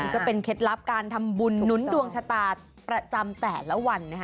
เคล็ดลับการทำบุญหนุนดวงชะตาประจำแต่ละวันนะคะ